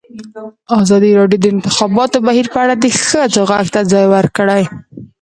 ازادي راډیو د د انتخاباتو بهیر په اړه د ښځو غږ ته ځای ورکړی.